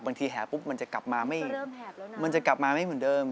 บางทีแหบปุ๊บมันจะกลับมาไม่เหมือนเดิม